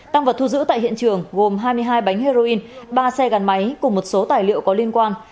tăng vật thu giữ tại hiện trường gồm hai mươi hai bánh heroin ba xe gắn máy cùng một số tài liệu có liên quan